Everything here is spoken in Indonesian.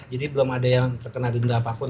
jadi belum ada yang terkena denda apapun